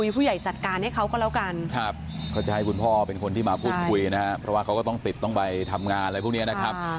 พูดคุยนะครับเพราะว่าเขาก็ต้องติดต้องไปทำงานนะครับ